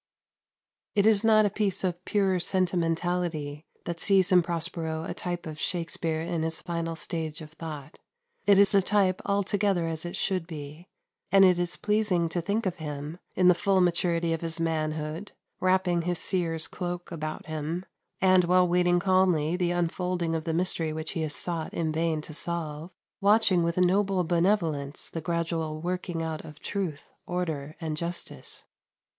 131. It is not a piece of pure sentimentality that sees in Prospero a type of Shakspere in his final stage of thought. It is a type altogether as it should be; and it is pleasing to think of him, in the full maturity of his manhood, wrapping his seer's cloak about him, and, while waiting calmly the unfolding of the mystery which he has sought in vain to solve, watching with noble benevolence the gradual working out of truth, order, and justice.